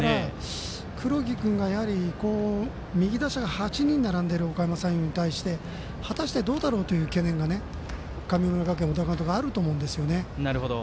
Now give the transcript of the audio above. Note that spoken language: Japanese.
黒木君が、やはり右打者が８人並んでいるおかやま山陽に対して果たしてどうだろうという懸念が神村学園、小田監督はあると思うんですよね。